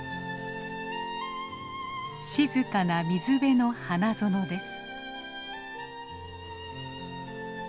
静かな水辺の花園です。